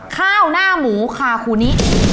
ข้าวหน้าหมูคาคูนิ